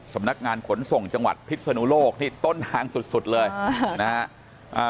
สำนักงานขนส่งจังหวัดพิษนุโลกนี่ต้นทางสุดสุดเลยอ่านะฮะ